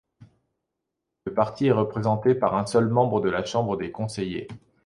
Le parti est représenté par un seul membre dans la chambre des conseillers.